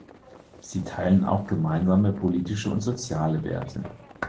Sie teilen auch gemeinsame politische und soziale Werte.